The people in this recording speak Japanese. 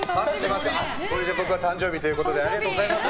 僕が誕生日ということでありがとうございます。